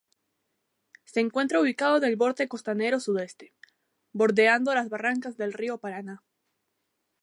Se encuentra ubicado en el borde costanero sudeste, bordeando las barrancas del río Paraná.